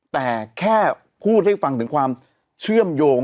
แต่แค่พูดให้ฟังถึงความเชื่อมโยง